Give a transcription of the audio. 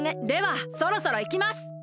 ではそろそろいきます！